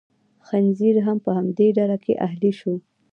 خنزیر هم په همدې ډله کې اهلي شو.